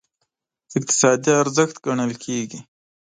اقتصادي ارزښت ګڼل کېږي.